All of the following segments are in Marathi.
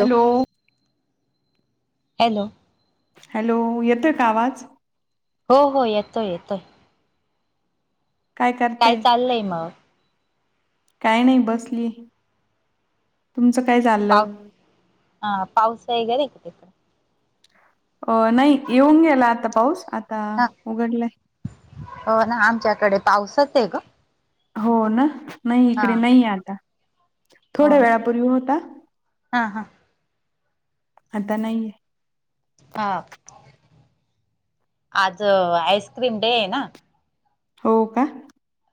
Hello, hello? हॅलो, येतोय का आवाज? हो, हो, येतोय येतोय. काय चाललय मग? काय नाही बसलीय, तुमचं काय चाललं? हां, पाऊस आहे काय तिकडे? अं, नाही, येऊन गेला आता पाऊस, आता हा उघडलाय. हो ना, आमच्याकडे पाऊसच आहे ग. हो ना, नाही हा इकडे नाही आता, थोड्या वेळापूर्वी होता. हां, हा. आता नाहीये. हा, आऽज आइस्क्रीम डे आहे ना. हो का?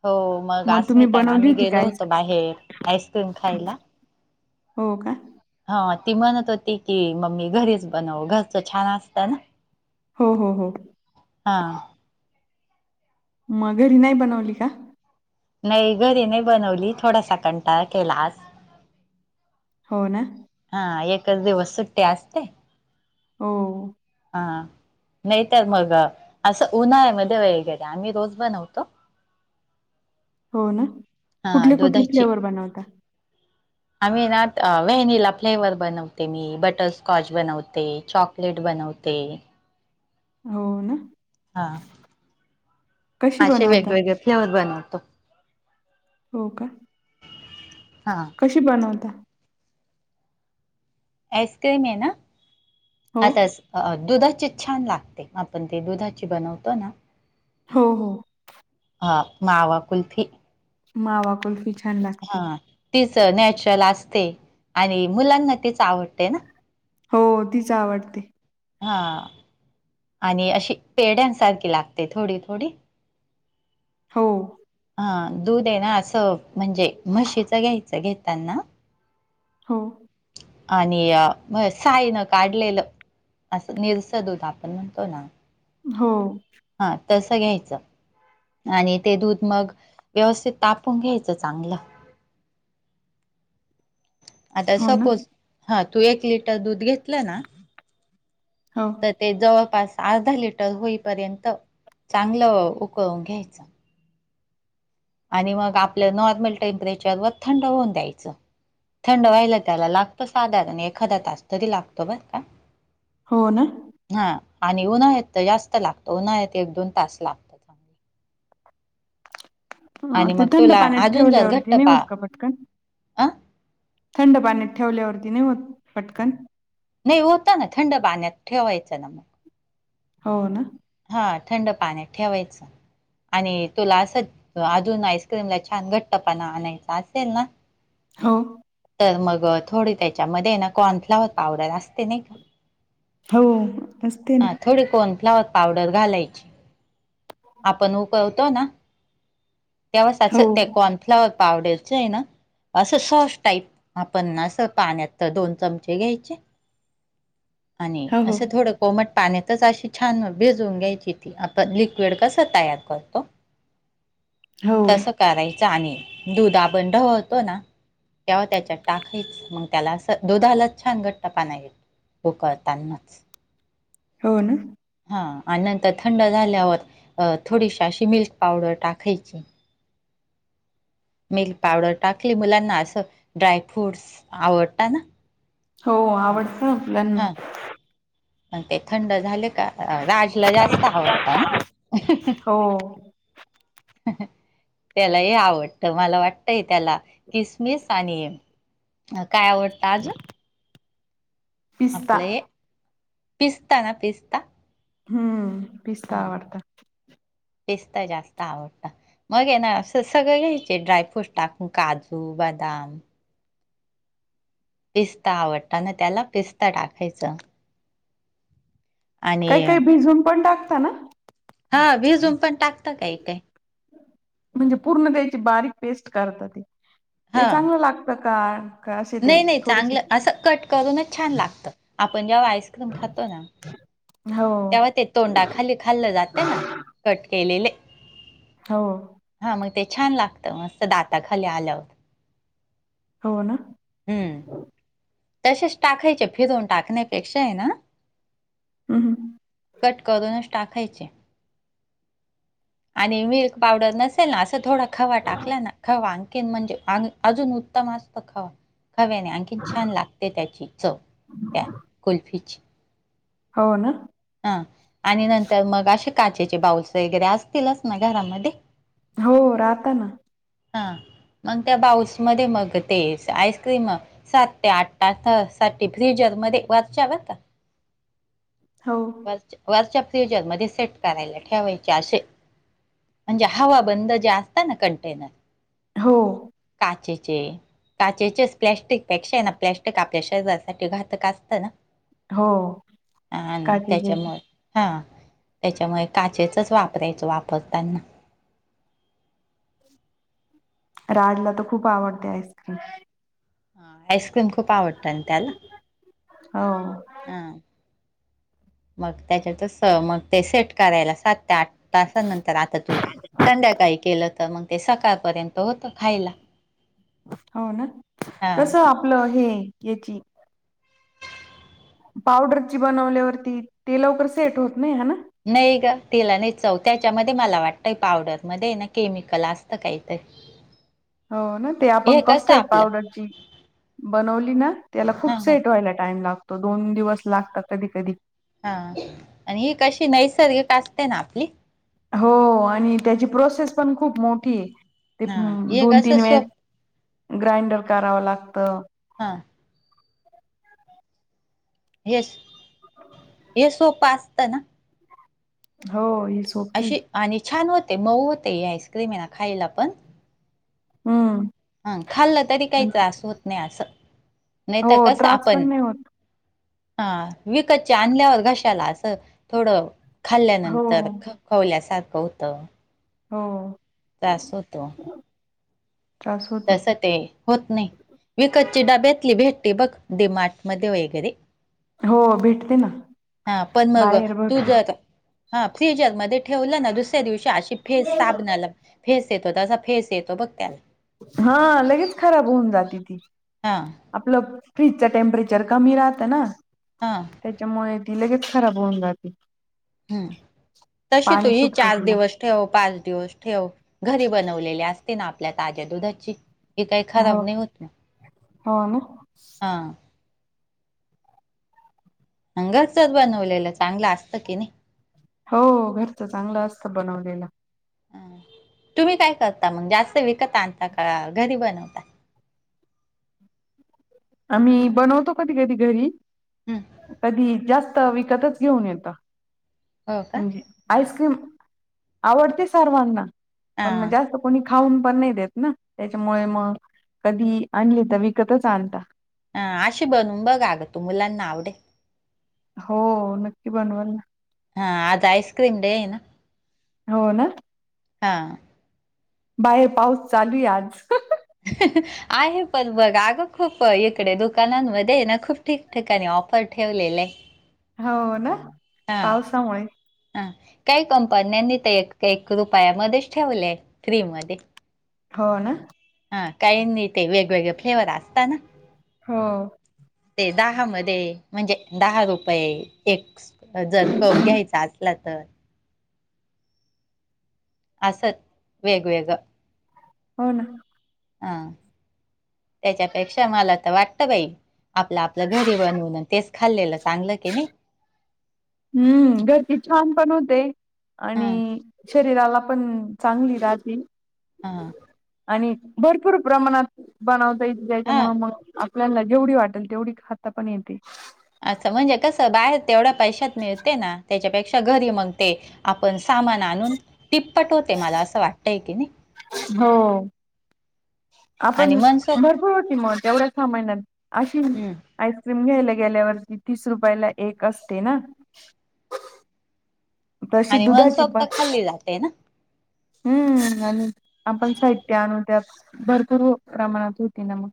हो मग, तुम्ही अस्मिता न बनवली आम्ही होती गेलो काय होतो बाहेर, आईस्क्रीम खायला. हो का? हा, ती म्हणत होती की, मम्मी घरीच बनव, घरचं छान असतं ना. हो, हो, हो. हां. मग घरी नाही बनवली का? नाही, घरी नाही बनवली, थोडासा कंटाळा केला आज. हो ना. हा, एकच दिवस सुट्टी असते. हो. हा, नाही तर मग, असं उन्हाळ्यामध्ये वगैरे आम्ही रोज बनवतो. हो ना. हां, कुठले कुठले दूधाची. फ्लेवर बनवता आम्ही ना, व्हॅनिला फ्लेवर बनवते मी, बटरस्कॉच बनवते, चॉक- लेट बनवते. हो ना. हा, कशी असे बनवता वेगवेगळे फ्लेवर बनवतो. हो का? हां. कशी बनवता? ऐसक्रीम एना, हो आता स- अ, दुधाचीच छान लागते, आपण ते दुधाची बनवतो ना. हो, हो. हां, मावा कुल्फी. मावा कुल्फी छान लागते. हां, तीच नॅचरल असते आणि मुलांना तीच आवडते ना. हो तीच आवडते. हा आणि अशी पेढ्यांसारखी लागते थोडी थोडी. हो. हा, दूध आहे ना, असं म्हणजे म्हशीचं घ्यायचं घेताना- हो. [unintelligible] आणि साईन काढलेलं असं निरस दूध आपण म्हणतो ना- हो. हा तसं घ्यायचं. आणि ते दूध मग व्यवस्थित तापून घ्यायचं चांगलं. आता हो ना, सपोज हा तू एक लिटर दूध घेतलं ना हो तर ते जवळपास अर्धा लिटर होईपर्यंत चांगलं उकळून घ्यायचं आणि मग आपलं नॉर्मल टेम्परेचर वर थंड होऊन द्यायचं थंड व्हायला त्याला लागतं साधारण एखादा तास तरी लागतो बर का हो ना हा आणि उन्हाळत जास्त लागतो उन्हाळत एक दोन तास लागतो आणि ते मग थंड तुला पाण्यात अजून जर ठेवल्यावरती घट्ट नाही पा होत का अ? थंड पाण्यात ठेवल्यावरती नाही होत पटकन नाही होता ना थंड पाण्यात ठेवायचं ना मग हो ना हा थंड पाण्यात ठेवायचं आणि तुला असं अजून आईस्क्रीम ला छान घट्टपणा आणायचा असेल ना हो तर मग थोडी त्याच्यामध्ये ना कॉर्नफ्लाॉवर पावडर असते नाही का. हो असते ना हां, थोडी कॉर्नफ्लॉवर पावडर घालायची आपण उकळवतो ना तेव्हाच अस हो, त्या कॉर्नफ्लावर पावडरच आहे ना? असं सॉस टाईप आपण असं पाण्यात तर दोन चमचे घ्यायचे आणि हो, हो, असं थोडं कोमट पाण्यातच अशी छान भिजून घ्यायची ती आपण लिक्विड कसं तयार करतो हो, तसं करायच आणि दुधा आपण ढवळतो ना? तेव्हा त्याच्या टाकायचं मग त्याला दुधालाच छान घट्टपणा येत उकळतानाच हो ना हा आणि नंतर थंड झाल्यावरत अ थोडीशी अशी मिल्क पावडर टाकायची मिल्क पावडर टाकली मुलांना असं ड्राय फ्रूट्स आवडत ना, हो मग आवडतं मुलांना हां ते थंड झाले का. जास्त आवडता ना. हो त्याला हे आवडतं मला वाटतंय त्याला किसमिस आणि काय आवडतं आजून? पिस्ता आपलं हे पिस्ता ना पिस्ता हम्म पिस्ता आवडता पिस्त जास्त आवडत मग ये ना अस सगळे घ्यायचे ड्रायफ्रूट टाकून काजू बदाम पिस्ता आवडता ना त्याला पिस्ता टाकायचं आणि काही काही भिजून पण टाकता ना हा भिजवून पण टाकत काही काय म्हणजे पूर्ण त्याची बारीक पेस्ट करतात ते हा चांगलं लागतं का? का असे ते नाही नाही थोडीशी चांगलं असं कट करूनच छान लागतं आपण जेव्हा आईस्क्रीम खातो ना? हो तेव्हा ते तोंडा खाली खाल्लं जाते ना कट केलेले हो हा मग ते छान लागतं मस्त दाताखाली आल्यावर हो ना, हम्म. तसेच टाकायचे फिरवून टाकण्यापेक्षा आहे ना हम्म कट करूनच. टा आणि मिल्क पावडर नसेल ना अस थोडा खवा टाकला ना खवा आणखीन म्हणजे अजून उत्तम असत खवा खव्याने आणखीन छान लागते त्याची चव त्या कुल्फीची हो ना हा आणि नंतर मग असे काचेचे बाउस वगैरे असतीलच ना घरामध्ये हो राहताना हा मग त्या बाऊस मध्ये मग ते आईस्क्रीम सात ते आठठ साठी फ्रिजर मध्ये वाचच्यावता हो वर वरच्या फ्रिजर मध्ये सेट करायला ठेवायचे असे म्हणजे हवा बंद जे असतात ना कंटेनर हो काचेचे काचेचेच प्लॅस्टिक पेक्षा ना प्लॅस्टिक आपल्या शरीरासाठी घातक असतं ना हो [inaudible] हा काजीचे त्याच्यामुळे काचेचच वापरायचं वापरताना राजला तर खूप आवडते आईस्क्रीम आईस्क्रीम खूप आवडतं आणि त्याला हा हा मग त्याच्यात मग ते सेट करायला सात ते आठ तासानंतर आता तू संध्याकाळी केलं तर मग ते सकाळपर्यंत होत खाला हो ना हा तस आपलं हे याची पावडरची बनवल्यावरती ते लवकर सेट होत नाही ह ना नाही ग तिला नाही जाऊ त्याच्यामध्ये मला वाटतंय पावडरमध्येध्ये ना केमिकल असतं काहीतरी [inaudible] हो ना ते आपण हे कसं कस्टर्ड आपलं पावडरची बनवली ना त्याला हा खूप हा सेट व्हायला टाइम लागतो दोन दिवस लागतात कधी कधी. हा आणि ही कशी नैसर्गिक असते ना आपली हो आणि त्याची प्रोसेस पण खूप मोठी. ते हा हे दोन कसं तीन वेळेस सोप ग्राइंडर करावं लागतं. हा येस सोपं असत ना हो ह अशी आणि छान होते मऊ होते ह आईस्क्रीम आहे ना खायला पण हम्म हा खाल्लं तरी काही त्रास होत नाही असं नाही तर हो कस त्रास आपण पण नाही होत. हा विकतच्या आणल्यावर घशाला असं थोडं हो खाल्ल्यानंतर खवल्यासारखं होतं हो तास होतो [inaudible] त्रास होतो तसं ते होत नाही विकतची डब्यातली भेटीती मार्ट मध्ये वगैरे. हो भेटते ना. हा पण मग बाहेर भरपूर तुझं आ. हा फ्रिजरमध्ये ठेवलं ना दुसऱ्या दिवशी अशी फेस साबणाला फेस येतो तसा फेस येतो बघ त्याला. हा लगेच खराब होऊन जाती ती. हा आपलं फ्रीजच टेम्परेचर कमी राहतं ना. हा त्याच्यामुळे ती लगेच खराब होऊन जाते. हम् तशी तु पाणी ये सुटतं चार तिला दिवस. ठेव पाच दिवस ठेव घरी बनवलेले असते ना आपल्या ताज्या दुधाची. हे काही हो खराब नाही होत हो ना. हा. घरचाच बनवलेलं चांगलं असतं की नाही. हो घरचं चांगलं असतं बनवलेलं. ह तुम्ही काय करता मग जास्त विकत आणता का घरी बनवता. आम्ही बनवतो कधी कधी घरी हम्म, कधी जास्त. त विकतच घेऊन येत हो का म्हणजे. आईस्क्रीम आवडते सर्वांना हा पण मग जास्त. कोणी खाऊन पण नाही देत ना त्याच्यामुळे मग कधी आणली तर विकतच आणता. ह आशी बनून बघागं तू मुलांना आवडेल. हो नक्की बनवल ना. हा आज आईस्क्रीम डे ना. हो ना. हा. बाहेर पाऊस चालू आहे आज. हं हं हं. आहे पण बघ अगं खूप इकडे दुकानांमध्ये ना खूप ठिकठिकाणी ऑफर ठेवलेलं आहे. हो ना हा पावसामुळे. हा काही कंपन्यांनी ते रुपयामध्येच ठेवलेय फ्री मध्ये. हो ना. हा काही नाही ते वेगवेगळे फ्लेवर असतातना. हो. ते दहा म म्हणजे दहा रुपये एकस. जर कप घ्यायचा असला तर. असत वेगवेगळं. हो ना. हा त्याच्यापेक्षा मला तर वाटत बाई. आपलं आपलं घरी बनवून तेच खाल्लेलं चांगलं की नाही. हम्म घरची छान पण होते हा आणि शरीराला पण चांगली राहती हा आणि. भरपूर प्रमनात बनवत हां, त्याच्यामुळे मग. आपल्याला जेवढी वाटेल तेवढी खाता पण येते. अच्छा म्हणजे कसं बाहेर तेवढ्या पैशात मिळते ना त्याच्यापेक्षा घरी म्हणते. आपण सामान आणून तीप्पट होते मला असं वाटतंय की नाही. हो. आपण आणि मनसोक्त भरपूर होती मग तेवढ्या सामना अशी. हं. आईस्क्रीम घ्यायला गेल्यावर तीस रुपयाला एक असते ना. तशी आणि दुधाची मनसोक्त पण. खाल्ली जाते ना. हम्म आप पण साइत आणन त्यापासून. बरतोर प्रमाणात होती न मग.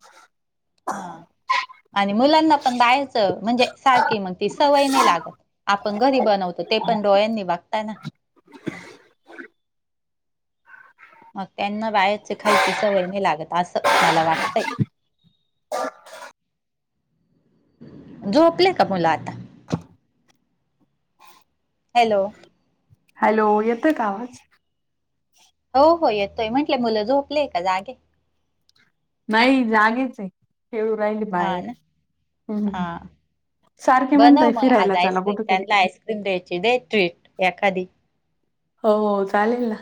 हा आणि मुलांना पण बाहेरच म्हणजे सारखी मग ती सवय नाही लागत. आपण घरी बनवतो ते पण डोयांनी बगताय ना. [inaudible] मग त्यांना बाहेरचं खायची सवय नाही लागत असं मला वाटतंय. झोपल्या का मुलं आता. ह [inaudible] हॅलो. हॅलो येतं का आवाज. हो हो येतोय म्हंटलं मुलं झोपलेय का जागे नाही जागेच आहे खेळू राहिले हां बाहेर ना. हां. सारखे बनव म्हणतंय मग आज फिरायला चला आईस्क्रीम कुठं तरी त्यांना आईस्क्रीम द्यायची दे ट्विट एखादी हो चालेल ना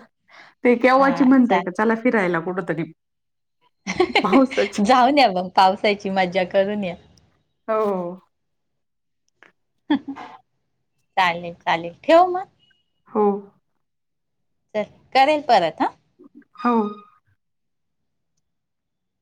ते हा केव्हाची म्हणताय का चला फिरायला कुठतरी जाऊन या मग पावसाची मज्जा करून या हो चालेल चालेल ठेव मग हम्म करेन परत हा हो